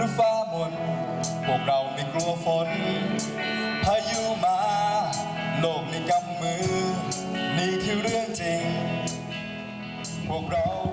เสียงในเสียง